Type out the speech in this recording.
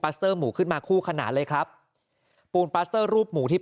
สเตอร์หมูขึ้นมาคู่ขนาดเลยครับปูนปลาสเตอร์รูปหมูที่